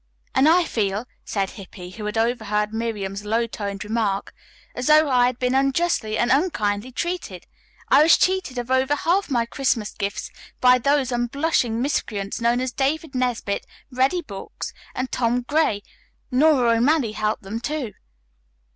'" "And I feel," said Hippy, who had overheard Miriam's low toned remark, "as though I had been unjustly and unkindly treated. I was cheated of over half my Christmas gifts by those unblushing miscreants known as David Nesbit, Reddy Brooks and Tom Gray. Nora O'Malley helped them, too."